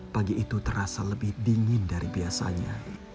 pagi itu terasa lebih dingin dari biasanya